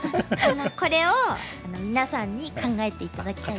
これを皆さんに考えて頂きたいです。